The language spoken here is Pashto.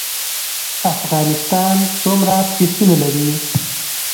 افغانستان څومره پسونه لري؟